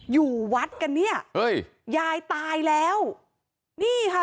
อยู่วัดกันเนี่ยเฮ้ยยายตายแล้วนี่ค่ะ